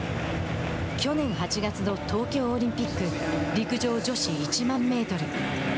去年８月の東京オリンピック陸上女子１万メートル。